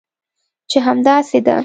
چې همداسې ده؟